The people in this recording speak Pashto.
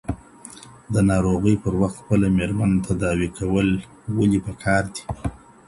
د ناروغۍ پر وخت خپله ميرمن تداوي کول ولي پکار دي؟